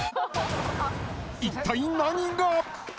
一体何が？